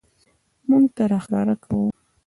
موږ ته راښکاره کاوه.